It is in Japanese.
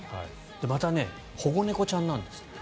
また保護猫ちゃんなんですって。